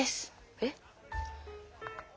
えっ。